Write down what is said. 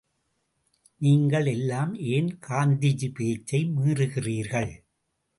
நீங்கள் எல்லாம் ஏன் காந்திஜி பேச்சை மீறுகிறீர்கள்?